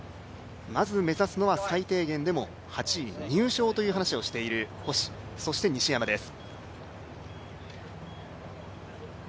まず目指すのは最低限でも８位入賞という話をしている星、そして西山です。